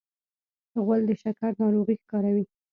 غول د شکر ناروغي ښکاروي.